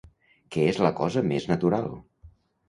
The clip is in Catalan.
Que és la cosa més natural.